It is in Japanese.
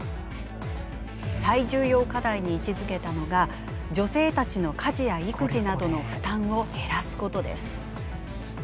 最重要課題に位置づけたのが女性たちの家事や育児などの負担を減らすことです。